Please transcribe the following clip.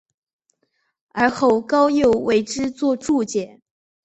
而后高诱为之作注解。